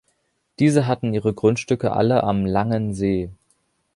Diese hatten ihre Grundstücke alle "Am Langen See".